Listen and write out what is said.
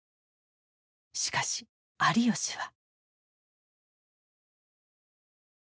しかし有吉は。